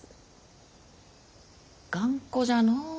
頑固じゃの。